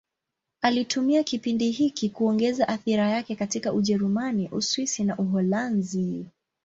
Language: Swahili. Alitumia kipindi hiki kuongeza athira yake katika Ujerumani, Uswisi na Uholanzi.